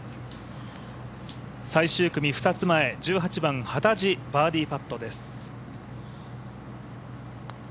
最終組２つ前、幡地、バーディーパットです。